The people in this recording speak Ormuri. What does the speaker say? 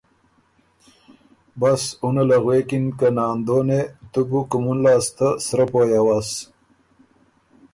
بس اُنه له غوېکِن که ناندونې! تُو بو کُومُن لاسته سرۀ پویٛ اؤس،